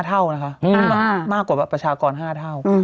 เท่านะคะมากกว่าประชากร๕เท่า